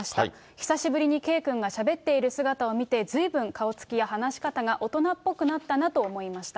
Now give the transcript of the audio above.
久しぶりに圭君がしゃべっている姿を見て、ずいぶん顔つきや話し方が大人っぽくなったなと思いました。